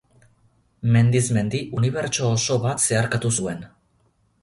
Mendiz mendi unibertso oso bat zeharkatu zuen.